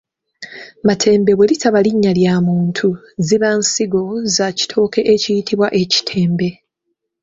Matembe bwe litaba linnya lya muntu ziba nsigo za kitooke ekiyitibwa ekitembe.